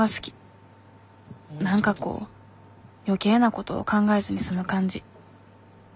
何かこう余計なこと考えずに済む感じ